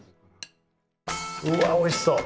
うわっおいしそう！